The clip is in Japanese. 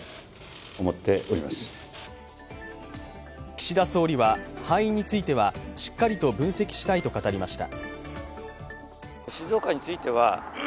岸田総理は敗因についてはしっかりと分析したいと語りました。